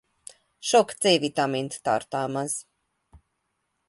Sok C vitamint tartalmaz.